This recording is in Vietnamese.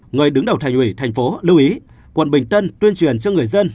người đứng đầu thành ủy tp hcm lưu ý quận bình tân tuyên truyền cho người dân